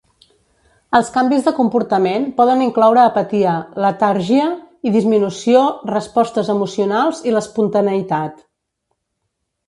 Els canvis de comportament poden incloure apatia, letargia i disminució respostes emocionals i l'espontaneïtat.